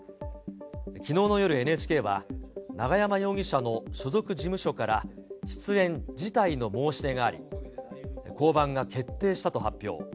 きのうの夜、ＮＨＫは、永山容疑者の所属事務所から出演辞退の申し出があり、降板が決定したと発表。